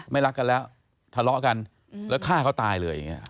ไม่รักกันแล้วทะเลาะกันแล้วฆ่าเขาตายเลย